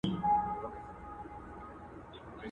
ګوندي خدای مو سي پر مېنه مهربانه!.